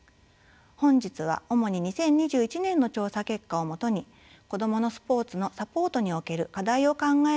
本日は主に２０２１年の調査結果をもとに子どものスポーツのサポートにおける課題を考えたいと思います。